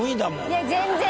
いや全然！